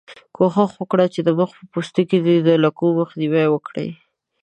کوښښ وکړئ چې د مخ په پوستکي کې د لکو مخنیوی وکړئ.